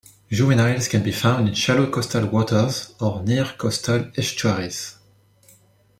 Juveniles can be found in shallow coastal waters or near coastal estuaries.